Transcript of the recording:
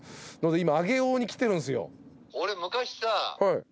今上尾に来てるんすよ。